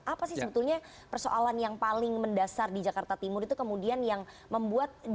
apa sih sebetulnya persoalan yang paling mendasar di jakarta timur itu kemudian yang membuat